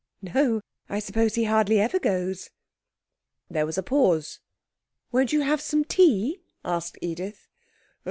'No. I suppose he hardly ever goes.' There was a pause. 'Won't you have some tea?' asked Edith.